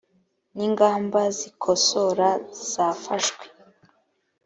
n ingamba zikosora zafashwe